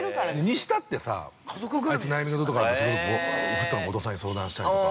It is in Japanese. ◆にしたってさ、あいつ悩み事とかあると、そこそこフットの後藤さんに相談したりとか。